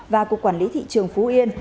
và cục quản lý thị trường phú yên